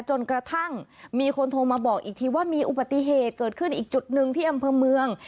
จนกระทั่งมีคนโทรมาบอกอีกทีว่ามีอุบัติเหตุเกิดขึ้นอีกจุดหนึ่งที่อำเภอเมือง